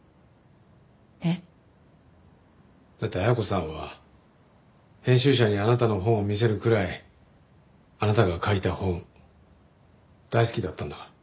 えっ？だって恵子さんは編集者にあなたの本を見せるくらいあなたが書いた本大好きだったんだから。